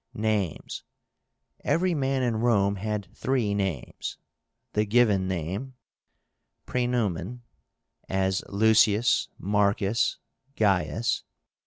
NAMES. Every man in Rome had three names. The given name (praenomen), as Lucius, Marcus, Gaius.